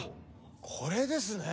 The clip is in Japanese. これですね。